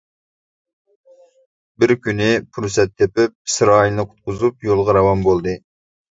بىركۈنى پۇرسەت تېپىپ ئىسرائىلنى قۇتقۇزۇپ يولغا راۋان بولدى.